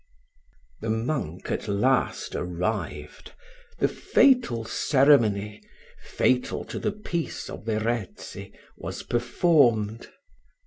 The monk at last arrived: the fatal ceremony fatal to the peace of Verezzi was performed.